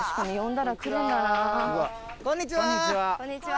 こんにちは。